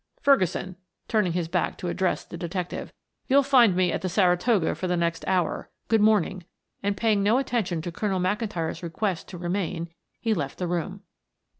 Ferguson," turning back to address the detective, "you'll find me at the Saratoga for the next hour. Good morning," and paying no attention to Colonel McIntyre's request to remain, he left the room.